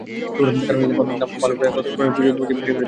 কারণ, ঈদে দাম ভালো পাওয়ায় খামারমালিকেরা প্রচুর মুরগি বিক্রি করে দিয়েছেন।